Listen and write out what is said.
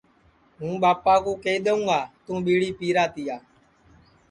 ہُوں ٻاپا کُو کیہیدؔیوں گا تُوں ٻِیڑی پِیرا تِیا